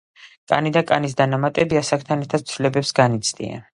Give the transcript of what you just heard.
კანი და კანის დანამატები ასაკთან ერთად ცვლილებებს განიცდიან.